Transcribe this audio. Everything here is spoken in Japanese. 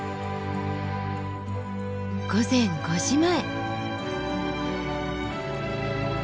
午前５時前。